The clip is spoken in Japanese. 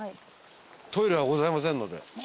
トイレはございませんので。